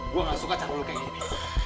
gue gak suka caku lo kayak gini